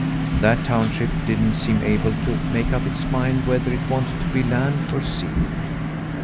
That township didn't seem able to make up its mind whether it wanted to be land or sea.